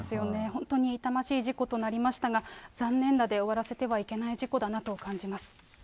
本当に痛ましい事故となりましたが、残念なで終わらせてはいけない事故だなと感じます。